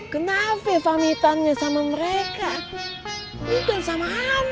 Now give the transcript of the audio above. kenapa pamitannya sama mereka bukan sama alam